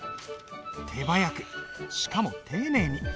手早くしかも丁寧に。